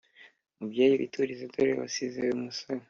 mubyeyi witurize dore wasize umusore,